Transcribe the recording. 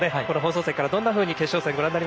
この放送席からどんなふうに決勝戦